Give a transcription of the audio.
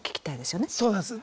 そうなんです。